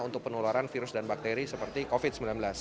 untuk penularan virus dan bakteri seperti covid sembilan belas